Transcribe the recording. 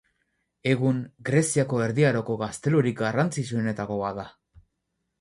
Egun, Greziako Erdi Aroko gaztelurik garrantzitsuenetako bat da.